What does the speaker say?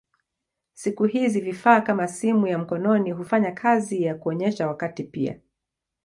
Siku hizi vifaa kama simu ya mkononi hufanya kazi ya kuonyesha wakati pia.